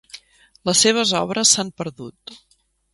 Les seves obres s'han perdut.